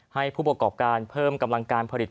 ให้ผู้ประกอบการเพิ่มกำลังการผลิต